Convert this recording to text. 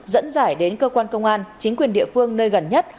dẫn dải đến cơ quan công an chính quyền địa phương nơi gần nhất